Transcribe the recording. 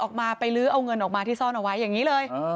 ออกไปไปลื้อเอาเงินออกมาที่ซ่อนเอาไว้อย่างนี้เลย